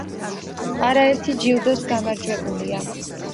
არაერთი ჯილდოს გამარჯვებულია.